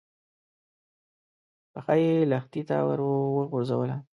پښه يې لښتي ته ور وغځوله.